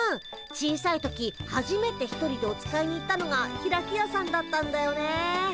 小さい時はじめて一人でお使いに行ったのがひらきやさんだったんだよね。